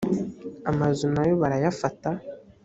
amazu na yo barayafata